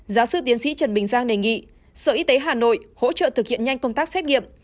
giáo sư tiến sĩ trần bình giang đề nghị sở y tế hà nội hỗ trợ thực hiện nhanh công tác xét nghiệm